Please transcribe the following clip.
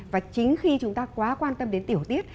và chính khi chúng ta quá quan tâm đến tiểu tiết